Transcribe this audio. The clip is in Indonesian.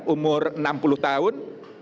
umur enam puluh tahun